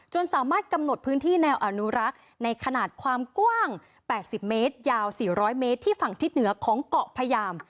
สามารถกำหนดพื้นที่แนวอนุรักษ์ในขนาดความกว้าง๘๐เมตรยาว๔๐๐เมตรที่ฝั่งทิศเหนือของเกาะพยาม